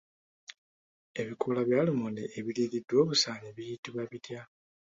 Ebikoola bya lumonde ebiriiriddwa obusaanyi biyitibwa bitya?